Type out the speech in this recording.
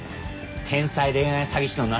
天才恋愛詐欺師のなせる業だ。